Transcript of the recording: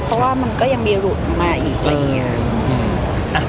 เพราะว่ามันก็ยังมีหลุดออกมาอีกเลยเนี่ย